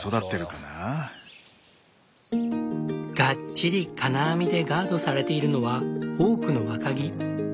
がっちり金網でガードされているのはオークの若木。